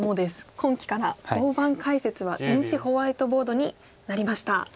今期から大盤解説は電子ホワイトボードになりました。